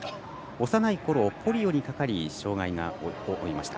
幼いころ、ポリオにかかり障がいを負いました。